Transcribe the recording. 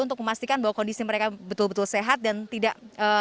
untuk memastikan bahwa kondisi mereka betul betul sehat dan tidak